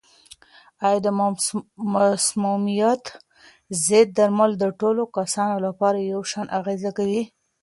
آیا د مسمومیت ضد درمل د ټولو کسانو لپاره یو شان اغېزه کوي؟